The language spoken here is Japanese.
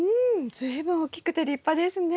随分大きくて立派ですね。